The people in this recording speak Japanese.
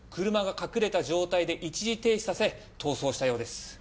車が隠れた状態で一時停止させ逃走したようです。